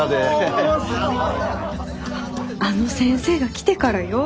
あの先生が来てからよ。